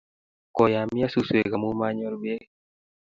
Koyamio suswek amu manyor beek